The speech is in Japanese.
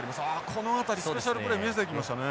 この辺りスペシャルプレー見せてきましたね。